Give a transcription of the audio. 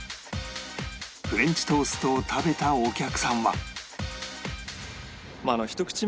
フレンチトーストを食べたお客さんは